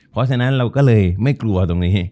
เพราะฉะนั้นเราก็เลยไม่กลัวตรงนี้